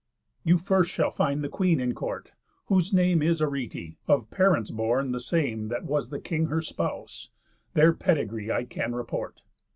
_ You first shall find the queen in court, whose name Is Arete, of parents born the same That was the king her spouse; their pedigree I can report.